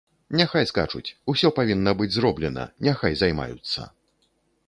Няхай скачуць, усё павінна быць зроблена, няхай займаюцца.